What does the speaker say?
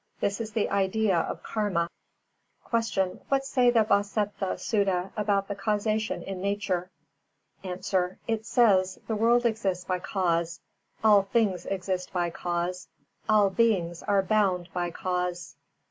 This is the idea of Karma. 362. Q. What say the Vāsettha Sutta about the causation in Nature? A. It says: "The world exists by cause; all things exist by cause, all beings are bound by cause."